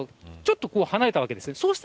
ちょっと離れたわけです。